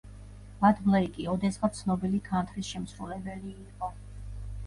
ბად ბლეიკი ოდესღაც ცნობილი ქანთრის შემსრულებელი იყო.